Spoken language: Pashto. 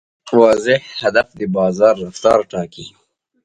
واضح هدف د بازار رفتار ټاکي.